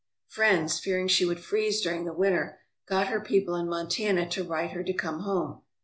Friends, fearing she would freeze during the winter, got her people in Montana to write her to come home.